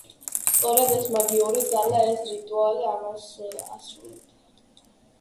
სწორედ ეს მაგიური ძალა, ეს რიტუალი ამას ასრულებდა.